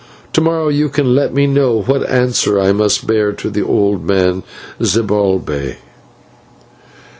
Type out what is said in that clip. To morrow you can let me know what answer I must bear to the old man, Zibalbay."